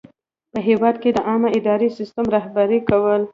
په هیواد کې د عامه اداري سیسټم رهبري کول.